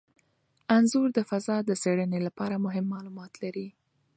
انځور د فضا د څیړنې لپاره مهم معلومات لري.